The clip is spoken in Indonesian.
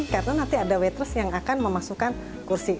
karena nanti ada waitress yang akan memasukkan kursi